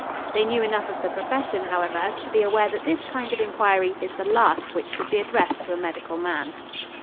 They knew enough of the profession, however, to be aware that this kind of inquiry is the last which should be addressed to a medical man.